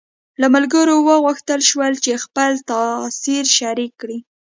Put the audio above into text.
له ملګرو وغوښتل شول چې خپل تاثر شریک کړي.